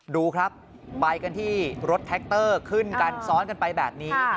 ดูครับไปกันที่รถแท็กเตอร์ขึ้นกันซ้อนกันไปแบบนี้